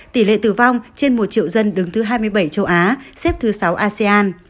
tỷ lệ tử vong trên một triệu dân đứng thứ hai mươi bảy châu á xếp thứ sáu asean